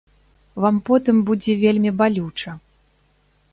Вам потым будзе вельмі балюча.